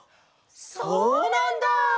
そうなんだ！